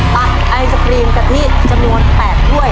ตัดไอศครีมกะทิสมรวม๘บ้วย